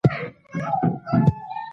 له ورته والي سره سره ډېر مختلف دى.